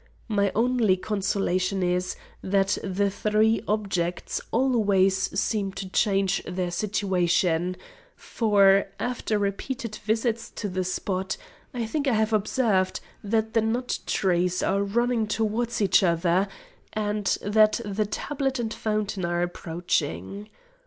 My only consolation is, that the three objects always seem to change their situation, for, after repeated visits to the spot, I think I have observed, that the nut trees are running towards each other, and that the tablet and fountain are approaching.